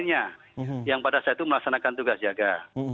yang pada saat itu melaksanakan tugas jaga